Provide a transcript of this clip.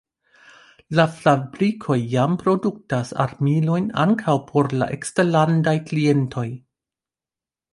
La fabrikoj jam produktas armilojn ankaŭ por la eksterlandaj klientoj.